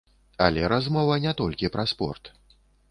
Але размова не толькі пра спорт.